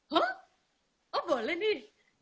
hah oh boleh nih